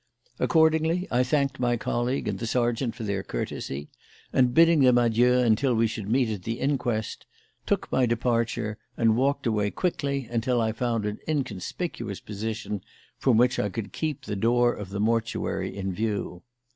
Accordingly I thanked my colleague and the sergeant for their courtesy, and bidding them adieu until we should meet at the inquest, took my departure and walked away quickly until I found an inconspicuous position from which I could keep the door of the mortuary in view.